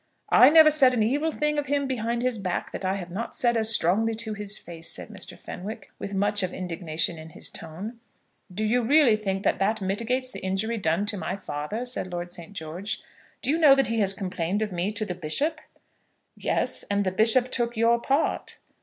"I never said an evil thing of him behind his back that I have not said as strongly to his face," said Mr. Fenwick, with much of indignation in his tone. "Do you really think that that mitigates the injury done to my father?" said Lord St. George. "Do you know that he has complained of me to the bishop?" "Yes, and the bishop took your part."